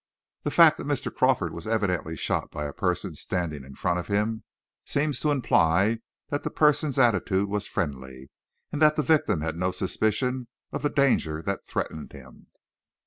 The fact that Mr. Crawford was evidently shot by a person standing in front of him, seems to imply that that person's attitude was friendly, and that the victim had no suspicion of the danger that threatened him."